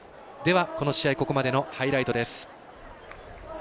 この試合、ここまでのハイライトです。